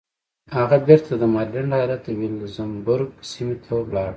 هغه بېرته د ماريلنډ ايالت د ويلمزبرګ سيمې ته لاړ.